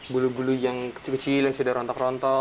bulu bulu yang kecil kecil yang sudah rontok rontok